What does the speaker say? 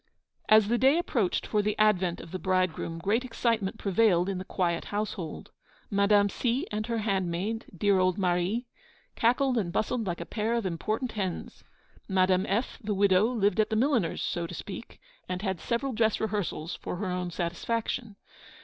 As the day approached for the advent of the bridegroom, great excitement prevailed in the quiet household. Madame C. and her handmaid, dear old Marie, cackled and bustled like a pair of important hens. Madame F., the widow, lived at the milliner's, so to speak, and had several dress rehearsals for her own satisfaction.